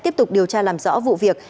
tiếp tục điều tra làm rõ vụ việc